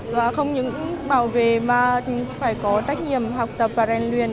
và không những bảo vệ mà phải có trách nhiệm học tập và rèn luyện